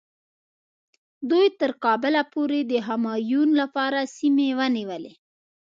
دوی تر کابله پورې د همایون لپاره سیمې ونیولې.